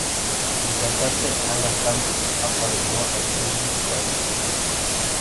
El cantante Alan Tam, apadrinó a Kelvin Kwan.